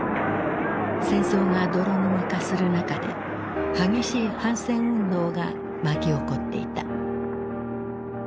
戦争が泥沼化する中で激しい反戦運動が巻き起こっていた。